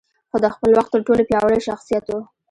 خو د خپل وخت تر ټولو پياوړی شخصيت و.